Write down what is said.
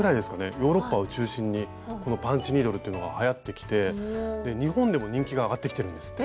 ヨーロッパを中心にこのパンチニードルというのがはやってきて日本でも人気が上がってきてるんですって。